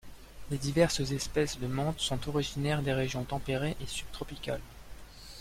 Les diverses espèces de menthe sont originaires des régions tempérées et subtropicales.